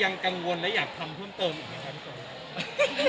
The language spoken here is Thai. ยังกังวลแล้วอยากทำเพิ่มเติมอย่างนี้